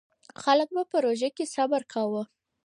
خلک به په روژه کې صبر کاوه.